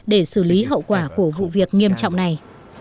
để xử lý hậu quả của vụ việc nghiêm trọng này